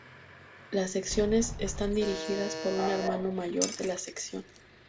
Las Secciones están dirigidas por un Hermano Mayor de la Sección.